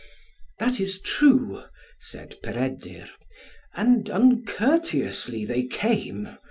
"That is true," said Peredur, "and uncourteously they came.